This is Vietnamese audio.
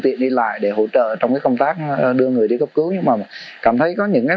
tiện đi lại để hỗ trợ trong cái công tác đưa người đi cấp cứu nhưng mà cảm thấy có những cái